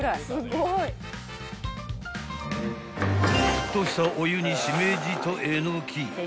［沸騰したお湯にしめじとえのき］